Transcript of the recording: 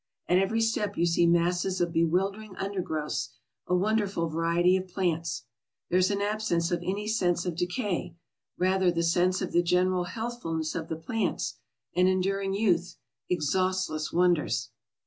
At every step you see masses of bewildering undergrowths, a wonderful variety of plants. There is an absence of any sense of decay; rather the sense of the general healthfulness of the plants, an enduring youth, exhaustless wonders.